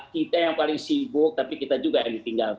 kita yang paling sibuk tapi kita juga yang ditinggalkan